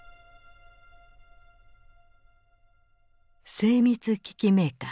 精密機器メーカー